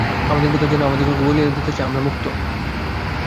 আমাদের ভিতর যেন কিছু আমাদিগকে বলিয়া দিতেছে, আমরা মুক্ত।